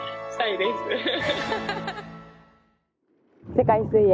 世界水泳